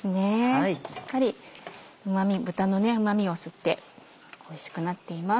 しっかり豚のうまみを吸っておいしくなっています。